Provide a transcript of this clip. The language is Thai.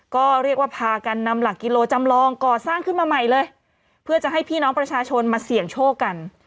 ก็เรียกว่าพากันนำหลักกิโลจำลองก่อสร้างขึ้นมาใหม่เลยเพื่อจะให้พี่น้องประชาชนมาเสี่ยงโชคกัน